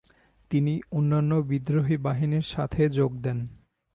তিনি অন্যান্য বিদ্রোহী বাহিনীর সাথে যোগ দেন।